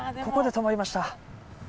ここで止まりました。